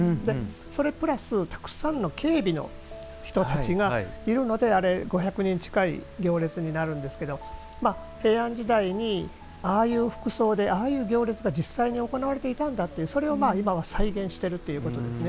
それプラスたくさんの警備の人たちがいるので５００人近い行列になるんですけど平安時代にああいう服装でああいう行列が実際に行われていたんだっていうそれを今は再現しているということですね。